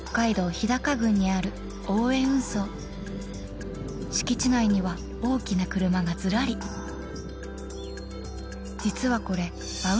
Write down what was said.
日高郡にある大江運送敷地内には大きな車がずらり実はこれ馬運